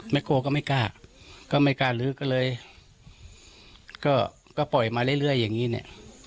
กลัวก็ไม่กล้าก็ไม่กล้าลื้อก็เลยก็ปล่อยมาเรื่อยอย่างนี้เนี่ย